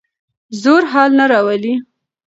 زور حل نه راولي.